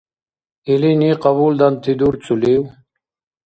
Илини къабулданти дурцулив?